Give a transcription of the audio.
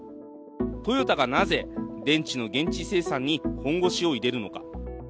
トヨタがなぜ電池の現地生産に本腰を入れるのか。